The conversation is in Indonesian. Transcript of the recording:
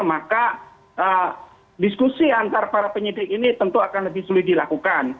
maka diskusi antara para penyidik ini tentu akan lebih sulit dilakukan